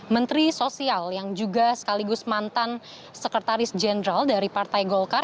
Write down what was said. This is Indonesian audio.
menteri sosial yang juga sekaligus mantan sekretaris jenderal dari partai golkar